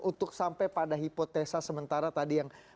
untuk sampai pada hipotesa sementara tadi yang